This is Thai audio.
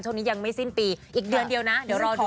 ช่วงนี้ยังไม่สิ้นปีอีกเดือนเดียวนะเดี๋ยวรอดู